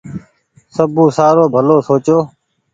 سبو سآرو ڀلو سوچو۔